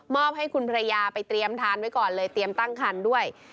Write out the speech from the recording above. ให้คุณภรรยาไปเตรียมทานไว้ก่อนเลยเตรียมตั้งคันด้วย